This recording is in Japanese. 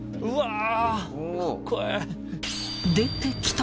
うわ！